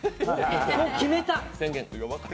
そう決めた！